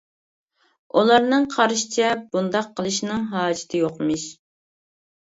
ئۇلارنىڭ قارىشىچە بۇنداق قىلىشنىڭ ھاجىتى يوقمىش.